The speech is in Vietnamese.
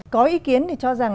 có ý kiến thì cho rằng